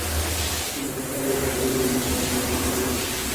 مودب او شریف انسانان وو.